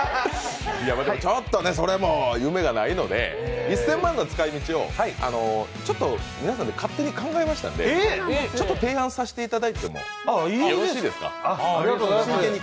ちょっとそれも夢がないので、１０００万の使い道を皆さんで勝手に考えましたので、提案させていただいてもよろしいですか？